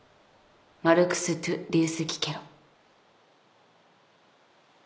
「マルクス・トゥッリウス・キケロ」